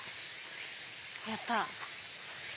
やった！